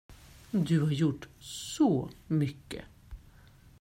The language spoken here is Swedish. Du har gjort så mycket.